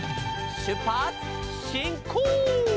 「しゅっぱつしんこう！」